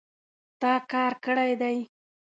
تا کار کړی دی